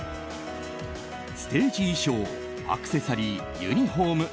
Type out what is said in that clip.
ステージ衣装、アクセサリーユニホーム。